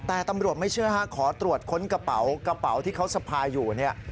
แต่ตำรวจไม่เชื่อฮะขอตรวจค้นกระเป๋ากระเป๋าที่เขาสะพายอยู่เนี่ย